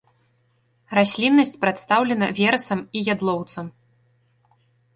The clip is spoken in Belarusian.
Расліннасць прадстаўлена верасам і ядлоўцам.